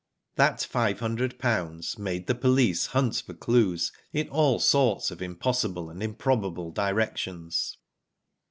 That five hundred pounds made the police hunt for clues in all sorts of impossible and improbable directions.